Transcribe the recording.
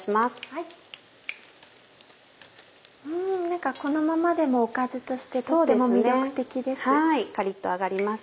何かこのままでもおかずとしてとっても魅力的です。